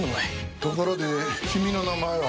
ところで君の名前は？